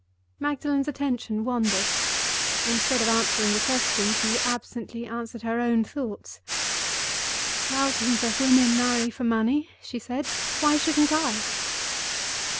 Magdalen's attention wandered. Instead of answering the question, she absently answered her own thoughts. "Thousands of women marry for money," she said. "Why shouldn't I?"